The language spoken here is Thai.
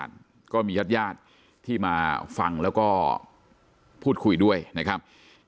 อาการของน้ำตาลก็มีญาติญาติที่มาฟังแล้วก็พูดคุยด้วยนะครับ